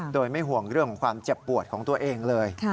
โดยไม่ห่วงเรื่องของความเจ็บปวดของตัวเองเลย